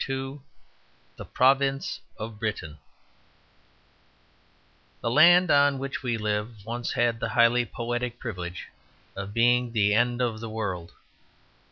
II THE PROVINCE OF BRITAIN The land on which we live once had the highly poetic privilege of being the end of the world.